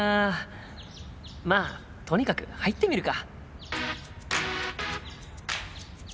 まあとにかく入ってみるか。